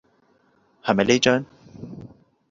係咪呢張？